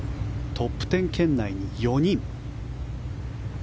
トップ１０圏内に４人。